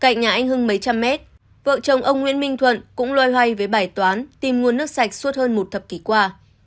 cạnh nhà anh hưng mấy trăm mét vợ chồng ông nguyễn minh thuận cũng loay hoay với bài toán tìm nguồn nước sạch suốt hơn một thập kỷ qua